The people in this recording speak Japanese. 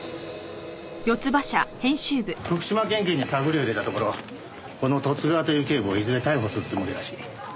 福島県警に探りを入れたところこの十津川という警部をいずれ逮捕するつもりらしい。